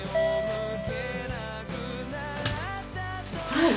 はい。